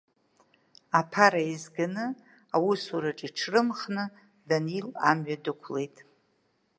Аԥара еизганы, аусураҿы иҽрымхны, Данил амҩа дықәлеит.